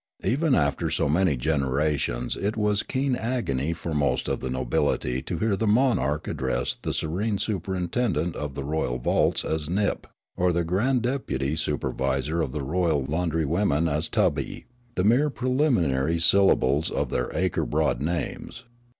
Even after so many generations it was keen agony for most of the nobility to hear the monarch address the Serene Superintendent of the Royal Vaults as Nip, or the Grand Deputy Supervisor of the Royal Laundry Women as Tubby, the mere preliminary syllables of their acre broad names.